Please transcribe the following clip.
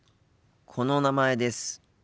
この「名前」です。